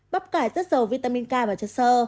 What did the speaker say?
bắp cải rất giàu vitamin k và chất sơ